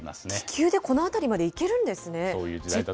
気球でこの辺りまで行けるんですね。